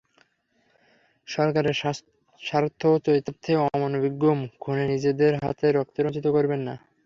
সরকারের স্বার্থ চরিতার্থে অমানবিক গুম, খুনে নিজেদের হাত রক্তে রঞ্জিত করবেন না।